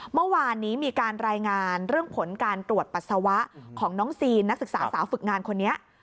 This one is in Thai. เมื่อวานนี้มีการรายงานเรื่องผลการตรวจปัสสาวะของน้องซีนนักศึกษาสาวฝึกงานคนนี้